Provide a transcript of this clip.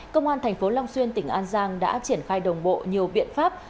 công an tp long xuyên tỉnh an giang đã triển khai đồng bộ nhiều biện pháp